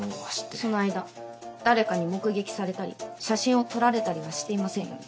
その間誰かに目撃されたり写真を撮られたりはしていませんよね？